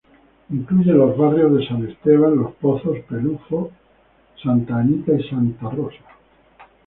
Incluye los barrios San Esteban, Los Pozos, Peluffo, Santa Anita y Santa Rosa.